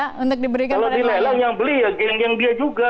kalau di lelang yang beli geng geng dia juga